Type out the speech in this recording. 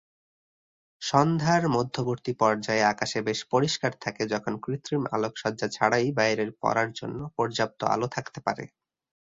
সন্ধ্যার মধ্যবর্তী পর্যায়ে আকাশ বেশ পরিষ্কার থাকে যখন কৃত্রিম আলোকসজ্জা ছাড়াই বাইরে পড়ার জন্য পর্যাপ্ত আলো থাকতে পারে।